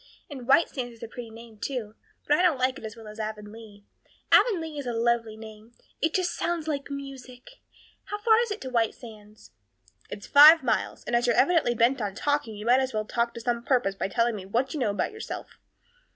And White Sands is a pretty name, too; but I don't like it as well as Avonlea. Avonlea is a lovely name. It just sounds like music. How far is it to White Sands?" "It's five miles; and as you're evidently bent on talking you might as well talk to some purpose by telling me what you know about yourself."